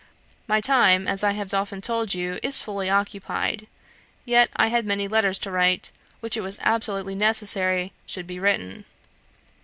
My time, as I have often told you, is fully occupied; yet I had many letters to write, which it was absolutely necessary should be written.